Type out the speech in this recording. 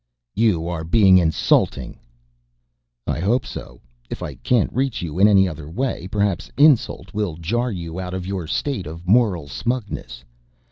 "You are being insulting!" "I hope so. If I can't reach you in any other way, perhaps insult will jar you out of your state of moral smugness.